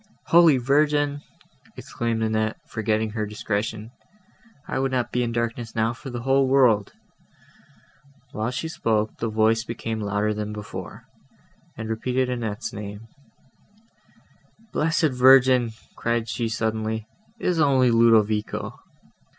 "Holy Virgin!" exclaimed Annette, forgetting her discretion, "I would not be in darkness now for the whole world." While she spoke, the voice became louder than before, and repeated Annette's name; "Blessed Virgin!" cried she suddenly, "it is only Ludovico."